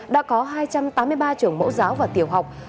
đã có hai trăm tám mươi ba trường mẫu giáo và tiểu học